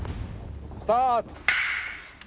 スタート。